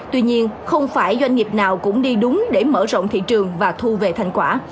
tuy nhiên không phải doanh nghiệp nào cũng đi đúng để mở rộng thị trường và thu về thành quả